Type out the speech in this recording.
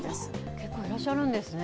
結構いらっしゃるんですね。